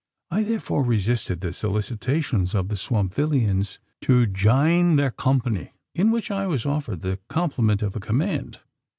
I therefore resisted the solicitations of the Swampvillians to "jine thar company" in which I was offered the compliment of a command.